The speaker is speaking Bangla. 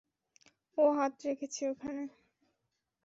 ও হাত রেখেছে এখানে।